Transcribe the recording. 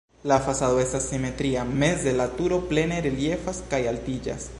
La fasado estas simetria, meze la turo plene reliefas kaj altiĝas.